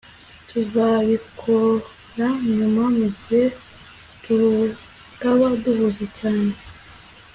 Tuzabikora nyuma mugihe tutaba duhuze cyane